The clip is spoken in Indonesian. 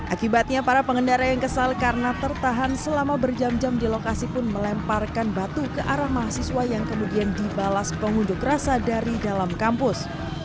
akibatnya para pengendara yang kesal karena tertahan selama berjam jam di lokasi pun melemparkan batu ke arah mahasiswa yang kemudian dibalas pengunjuk rasa dari dalam kampus